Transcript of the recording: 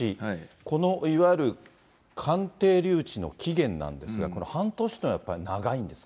このいわゆる鑑定留置の期限なんですが、この半年というのはやっぱり長いんですか。